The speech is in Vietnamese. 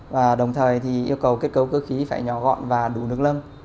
và đồng thời thì yêu cầu kết cấu cơ khí phải nhỏ gọn và đủ nước lâm